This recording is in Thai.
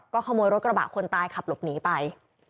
ขโมยรถกระบะคนตายขับหลบหนีไป